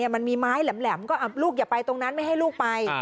มันมีไม้แหลมก็ลูกอย่าไปตรงนั้นไม่ให้ลูกไป